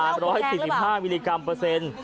๓๔๕มิลลิกรัมเปอร์เซ็นต์